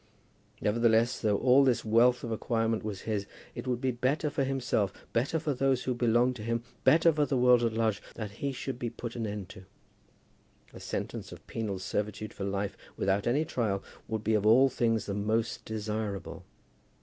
Nevertheless, though all this wealth of acquirement was his, it would be better for himself, better for those who belonged to him, better for the world at large, that he should be put an end to. A sentence of penal servitude for life, without any trial, would be of all things the most desirable.